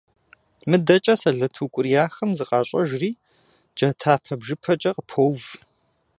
МыдэкӀэ сэлэт укӀурияхэм зыкъащӀэжри джатэпэ-бжыпэкӀэ къыпоув.